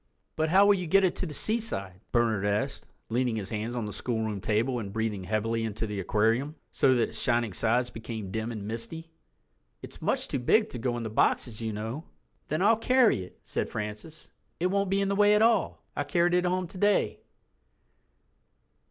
"But how will you get it to the seaside?" Bernard asked, leaning his hands on the schoolroom table and breathing heavily into the aquarium, so that its shining sides became dim and misty. "It's much too big to go in the boxes, you know." "Then I'll carry it," said Francis, "it won't be in the way at all—I carried it home today."